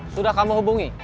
sudah kamu hubungi